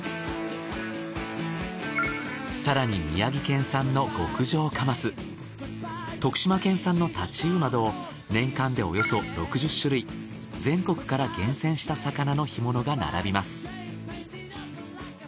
更に宮城県産の極上カマス徳島県産のタチウオなど年間でおよそ６０種類全国から厳選した魚の干物が並びます。